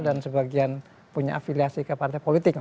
dan sebagian punya afiliasi ke partai politik